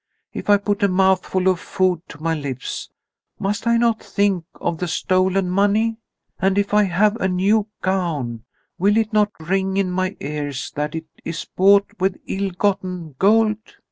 "If I put a mouthful of food to my lips, must I not think of the stolen money? And if I have a new gown, will it not ring in my ears that it is bought with ill gotten gold?